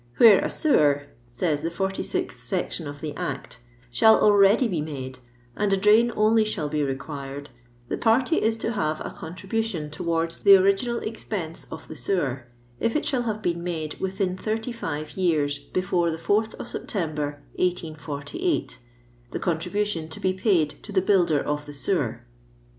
" Where a sewer," says the 46th section of the Act, "shall ahready be made, and a drain only shall be required, the party is to pay a contribution towards the original expense of the sewer, if it shall have been made within thirty five years before the 4th of Septem ber, 1848, 'the contribution to be paid to the builder of the sewer."